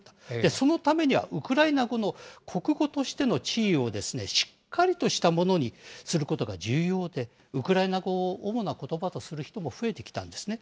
そのためにはウクライナ語の国語としての地位をしっかりとしたものにすることが重要で、ウクライナ語を主なことばとする人も増えてきたんですね。